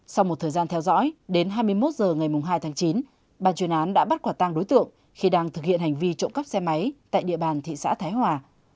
sau một thời gian theo dõi đến hai mươi một h ngày hai tháng chín bàn chuyên án đã bắt quả tăng đối tượng khi đang thực hiện hành vi trộm cắp xe máy tại địa bàn thị xã thái hòa